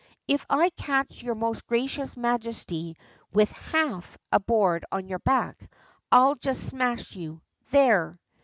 If I catch your most gracious Majesty with half a board on your back, I'll just smash you. There!"